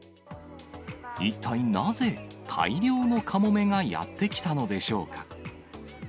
一体なぜ、大量のカモメがやって来たのでしょうか。